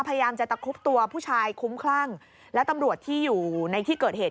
พยายามจะตะครุบตัวผู้ชายคุ้มคลั่งและตำรวจที่อยู่ในที่เกิดเหตุ